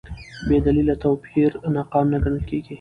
بېدلیله توپیر ناقانونه ګڼل کېږي.